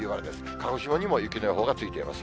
鹿児島にも雪の予報がついています。